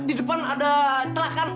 di depan ada cerakan